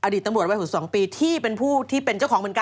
ตำรวจวัย๖๒ปีที่เป็นผู้ที่เป็นเจ้าของเหมือนกัน